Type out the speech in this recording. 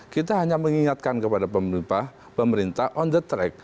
kita hanya mengingatkan kepada pemerintah pemerintah on the track